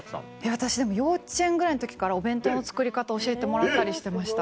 私でも幼稚園ぐらいの時からお弁当の作り方教えてもらったりしてました。